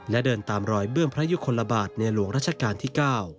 และเดินตามรอยเบื้องพระยุคลบาทในหลวงรัชกาลที่๙